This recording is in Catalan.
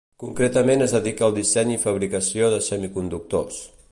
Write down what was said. Concretament es dedica al disseny i fabricació de semiconductors.